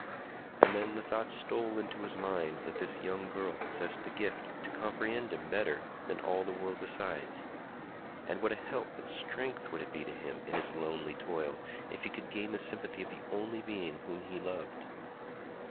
And then the thought stole into his mind that this young girl possessed the gift to comprehend him better than all the world besides. And what a help and strength would it be to him in his lonely toil if he could gain the sympathy of the only being whom he loved!